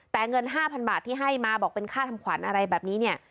แต่เงิน๕๐๐บาทที่ให้มาบอกเป็นค่าทำขวัญอะไรแบบนี้เนี่ย